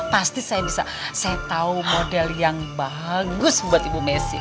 pasti saya bisa setau model yang bagus buat ibu mesih